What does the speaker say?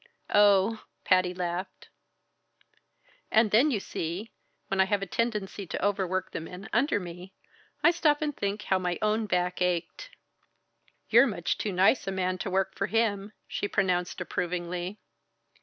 "Oh!" Patty laughed. "And then you see, when I have a tendency to overwork the men under me, I stop and think how my own back ached." "You're much too nice a man to work for him!" she pronounced approvingly.